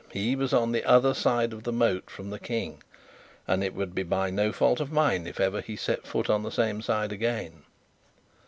He was on the other side of the moat from the King, and it would be by no fault of mine if ever he set foot on the same side again.